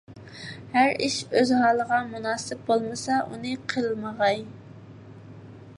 ھەر ئىش ئۆز ھالىغا مۇناسىپ بولمىسا، ئۇنى قىلمىغاي.